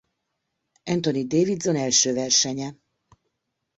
Anthony Davidson első versenye.